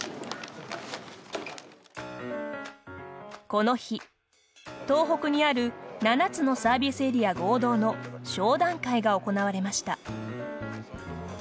この日、東北にある７つのサービスエリア合同の商談会が行われました。